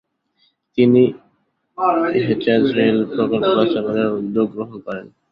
তিনি Hejaz rail প্রকল্প বাস্তবায়নের উদ্যোগ গ্রহণ করেন।